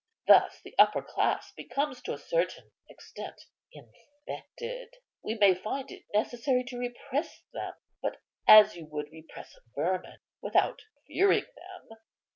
Thus the upper class becomes to a certain extent infected. We may find it necessary to repress them; but, as you would repress vermin, without fearing them."